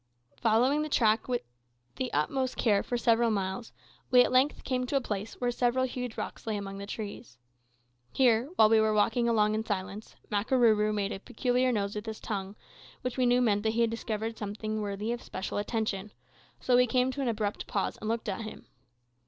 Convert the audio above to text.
Following the track with the utmost care for several miles, we at length came to a place where several huge rocks lay among the trees. Here, while we were walking along in silence, Makarooroo made a peculiar noise with his tongue, which we knew meant that he had discovered something worthy of special attention, so we came to an abrupt pause and looked at him.